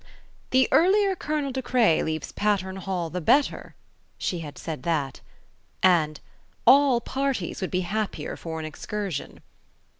"The earlier Colonel De Craye leaves Patterne Hall the better:" she had said that: and, "all parties would be happier for an excursion."